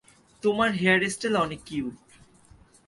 তোমার hair style অনেক cute.